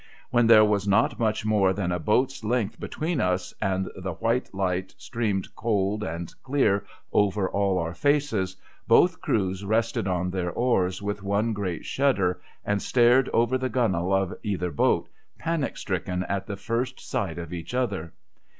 When there was not much more than a boat's length between us, and the white light streamed cold and clear over all our faces, both crews rested on their oars with one great shudder, and stared over the gunwale of either boat, panic stricken at the first sight of each other.